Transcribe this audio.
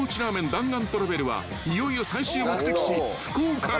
弾丸トラベルはいよいよ最終目的地福岡へ］